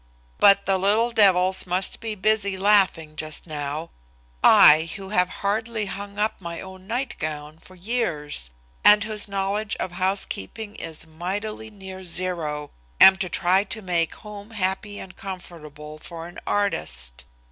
But the little devils must be busy laughing just now. I, who have hardly hung up my own nightgown for years, and whose knowledge of housekeeping is mightily near zero, am to try to make home happy and comfortable for an artist!